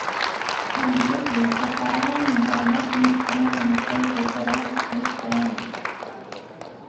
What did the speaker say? Amedyaz ur yeṭṭafar ara nḍamat n usefru amensay d utrar deg isefra-nsen.